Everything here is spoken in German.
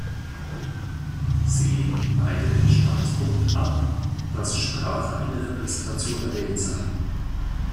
Sie lehnten beide den Standpunkt ab, dass Sprache eine Repräsentation der Welt sei.